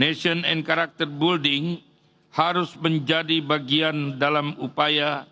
nation and character building harus menjadi bagian dalam upaya